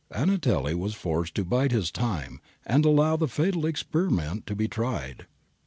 Antonelli was forced to bide his time and allow the fatal experiment to be tried.